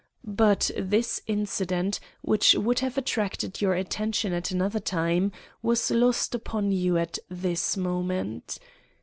But this incident, which would have attracted your attention at another time, was lost upon you at this moment.